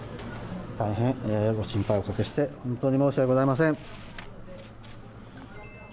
大変ご心配をおかけして、本当に申し訳ございません。